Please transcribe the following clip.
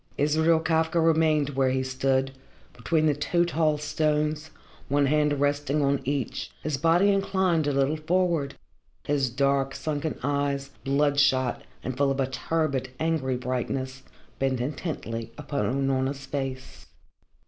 Israel Kafka remained where he stood, between the two tall stones, one hand resting on each, his body inclined a little forward, his dark, sunken eyes, bloodshot and full of a turbid, angry brightness, bent intently upon Unorna's face.